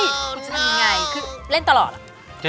คุณจะทำยังไงคือเล่นตลอดล่ะ